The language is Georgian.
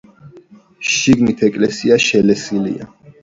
შიგნით ეკლესია შელესილია.